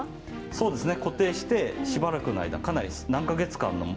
そうですね。